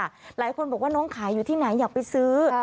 หลายคนบอกว่าน้องขายอยู่ที่ไหนอยากไปซื้อ